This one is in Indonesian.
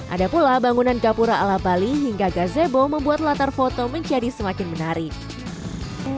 ada pula bangunan kapura ala bali hingga gazebo membuat latar foto menjadi semakin menarik